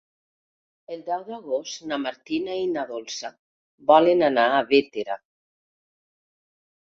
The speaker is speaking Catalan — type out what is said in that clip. El deu d'agost na Martina i na Dolça volen anar a Bétera.